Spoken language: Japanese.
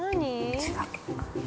違う。